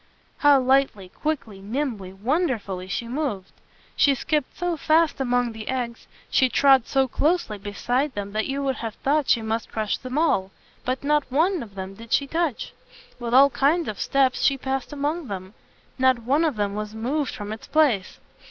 "] How lightly, quickly, nimbly, wonderfully, she moved! She skipped so fast among the eggs, she trod so closely beside them, that you would have thought she must crush them all. But not one of them did she touch. With all kinds of steps she passed among them. Not one of them was moved from its place.